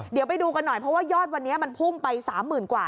เดี๋ยวไปดูกันหน่อยเพราะว่ายอดวันนี้มันพุ่งไป๓๐๐๐กว่า